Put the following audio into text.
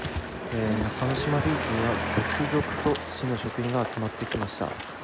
中の島ビーチには続々と市の職員が集まってきました。